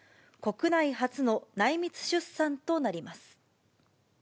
国内初の内密出産となります。